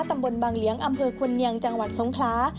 ตำบลบางเลี้ยงอำเภอควรเนียงจังหวัดสงคลา